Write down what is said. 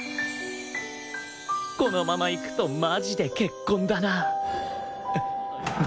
このままいくとマジで結婚だな